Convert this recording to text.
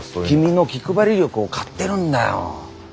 君の気配り力を買ってるんだよ。